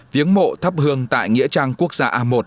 viếng mộ thắp hương tại nghĩa trang quốc gia a một